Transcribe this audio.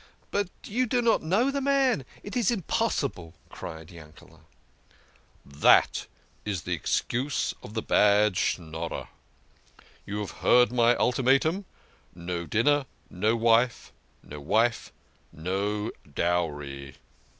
"But you do not know the man it is impossible!" cried Yankele\ "That is the excuse of the bad Schnorrer. You have heard my ultimatum. No dinner, no wife. No wife no dowry